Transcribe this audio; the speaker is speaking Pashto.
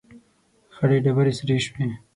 ، خړې ډبرې سرې شوې.